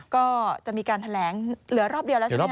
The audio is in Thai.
ก็จะมีการแถลงเหลือรอบเดียวแล้วใช่ไหมค